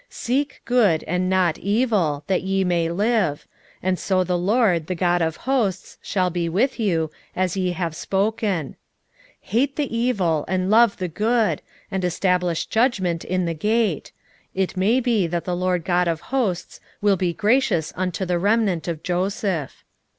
5:14 Seek good, and not evil, that ye may live: and so the LORD, the God of hosts, shall be with you, as ye have spoken. 5:15 Hate the evil, and love the good, and establish judgment in the gate: it may be that the LORD God of hosts will be gracious unto the remnant of Joseph.